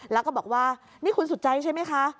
แล้วก็บอกว่านี่คุณสุดใจใช่ไหมคะ